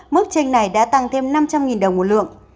mức tranh này đã tăng thêm năm trăm linh đồng một lượng